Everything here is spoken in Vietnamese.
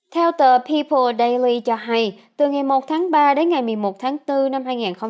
theo tờ people daily cho hay từ ngày một tháng ba đến ngày một mươi một tháng bốn năm hai nghìn hai mươi hai